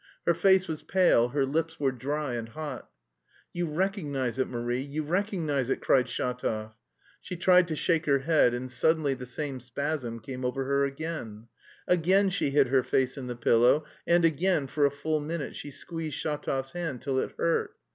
Her face was pale, her lips were dry and hot. "You recognise it, Marie, you recognise it," cried Shatov. She tried to shake her head, and suddenly the same spasm came over her again. Again she hid her face in the pillow, and again for a full minute she squeezed Shatov's hand till it hurt.